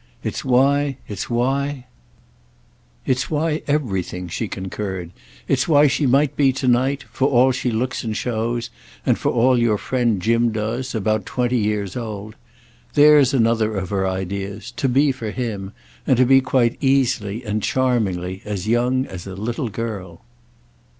It's why, it's why—" "It's why everything!" she concurred. "It's why she might be to night—for all she looks and shows, and for all your friend 'Jim' does—about twenty years old. That's another of her ideas; to be for him, and to be quite easily and charmingly, as young as a little girl."